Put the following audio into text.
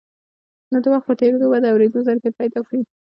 نو د وخت په تېرېدو به د اورېدو ظرفيت پيدا کړي.